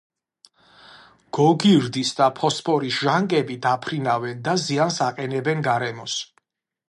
გოგირდის და ფოსფორის ჟანგები დაფრინავენ და ზიანს აყენებენ გარემოს.